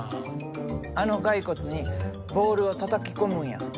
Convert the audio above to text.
あのガイコツにボールをたたき込むんや。